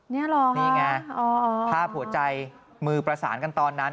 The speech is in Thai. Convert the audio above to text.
นี่เหรอนี่ไงภาพหัวใจมือประสานกันตอนนั้น